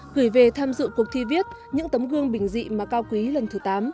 gửi về tham dự cuộc thi viết những tấm gương bình dị mà cao quý lần thứ tám